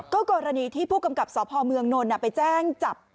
กรณีที่ผู้กำกับสพเมืองนนท์ไปแจ้งจับ